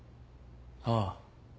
ああ。